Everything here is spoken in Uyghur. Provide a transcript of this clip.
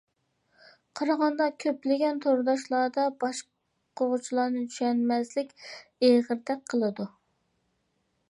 قارىغاندا كۆپلىگەن تورداشلاردا باشقۇرغۇچىلارنى چۈشەنمەسلىك ئېغىردەك قىلىدۇ.